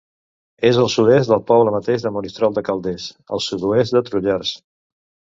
És al sud-est del poble mateix de Monistrol de Calders, al sud-oest de Trullars.